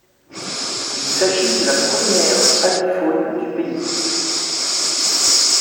Il s’agit de la première avifaune du pays.